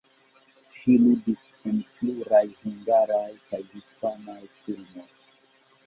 Ŝi ludis en pluraj hungaraj kaj hispanaj filmoj.